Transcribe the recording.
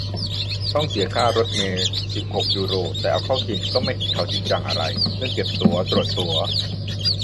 ต้องเสียค่ารถเมล์ สิบหก ยูโร แต่เอาเข้าจริงก็ไม่เห็นเขาจริงจังอะไรเรื่องเก็บตั๋ว ตรวจตั๋ว